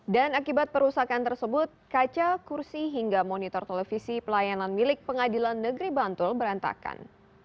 dan akibat perusakan tersebut kaca kursi hingga monitor televisi pelayanan milik pengadilan negeri bantul berantakan